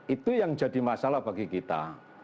itu yang jadi masalah bagi kita